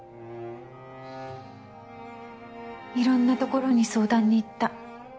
いろんなところに相談に行った。